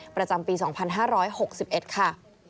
ประจำปี๒๕๖๑ค่ะ